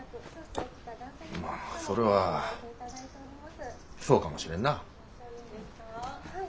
まあそれはそうかもしれんな。